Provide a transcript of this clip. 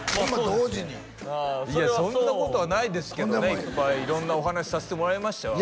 同時にそんなことはないですけどねいっぱい色んなお話させてもらいましたよ